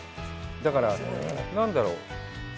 だから、何だろう。